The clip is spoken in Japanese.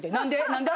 何で？」。